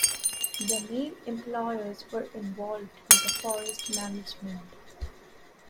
The main employers were involved in the forest management.